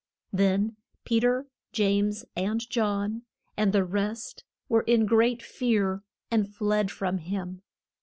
Then Pe ter, James and John, and the rest, were in great fear, and fled from him.